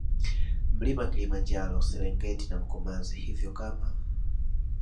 Mlima Kilimanjaro Serengeti na Mkomazi Hivyo kama